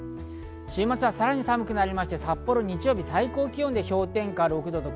週末はさらに寒くなりまして札幌は日曜日、最高気温で氷点下６度。